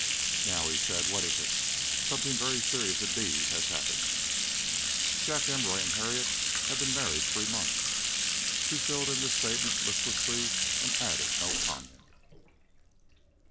"Now," he said, "what is it? Something very serious indeed has happened." "Jack Emory and Harriet have been married three months." She filled in the statement listlessly and added no comment.